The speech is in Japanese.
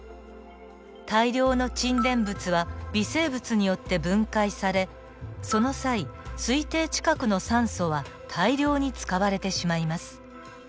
大量の沈殿物は微生物によって分解されその際水底近くの酸素は大量に使われてしまいます。